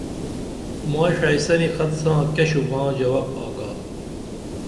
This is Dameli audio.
مائی ݜائسنی خط ساں کیہ ݜوباں جواب آگا